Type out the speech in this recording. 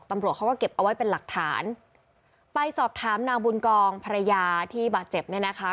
ตำรวจเขาก็เก็บเอาไว้เป็นหลักฐานไปสอบถามนางบุญกองภรรยาที่บาดเจ็บเนี่ยนะคะ